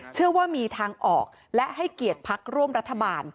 เชื่อว่ามีทางออกและให้เกียรติพักร่วมรัฐบาล